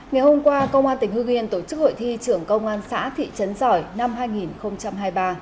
ngày hôm qua công an tỉnh hương yên tổ chức hội thi trưởng công an xã thị trấn giỏi năm hai nghìn hai mươi ba